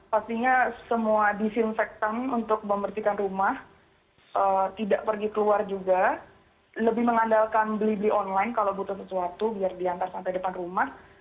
pastinya semua disinfektan untuk membersihkan rumah tidak pergi keluar juga lebih mengandalkan beli beli online kalau butuh sesuatu biar diantar sampai depan rumah